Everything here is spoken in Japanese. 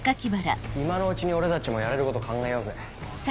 今のうちに俺たちもやれること考えようぜ。